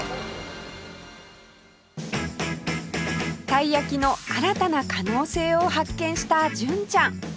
たい焼きの新たな可能性を発見した純ちゃん